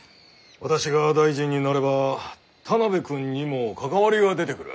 私が大臣になれば田邊君にも関わりが出てくる。